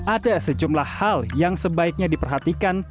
ada sejumlah hal yang sebaiknya diperhatikan